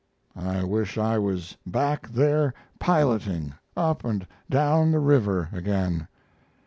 I wish I was back there piloting up and down the river again.